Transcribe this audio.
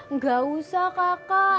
enggak usah kakak